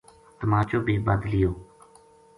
تماچو بے بدھ لیو۔